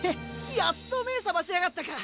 やっと目ぇ覚ましやがったか！